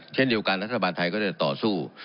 เช่นเดียวกันรัฐบาลไทยก็จะต่อสู้